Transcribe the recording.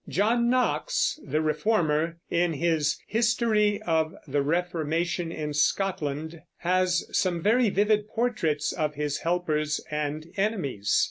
John Knox, the reformer, in his History of the Reformation in Scotland, has some very vivid portraits of his helpers and enemies.